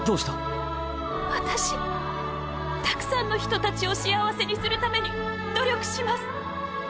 たくさんの人たちを幸せにするために努力します。